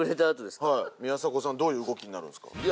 はい宮迫さんどういう動きになるんですか？